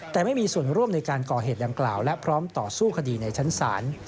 แต่ไม่มีส่วนร่วมในการก่อเหตุดังกล่าวและพร้อมต่อสู้คดีในชั้นศาล